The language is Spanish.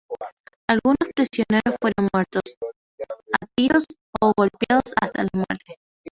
Algunos prisioneros fueron muertos a tiros o golpeados hasta la muerte.